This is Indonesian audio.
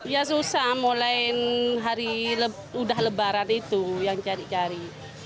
ya susah mulai hari udah lebaran itu yang cari cari